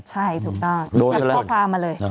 ใช่ถูกต้องพ่อพามาเลย